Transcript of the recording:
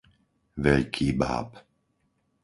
Veľký Báb